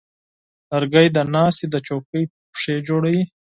لرګی د ناستې د چوکۍ پښې جوړوي.